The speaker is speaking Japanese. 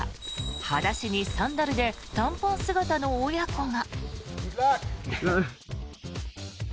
裸足にサンダルで短パン姿の親子が。